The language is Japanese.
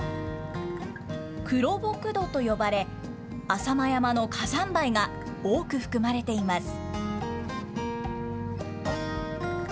黒ボク土と呼ばれ、浅間山の火山灰が多く含まれています。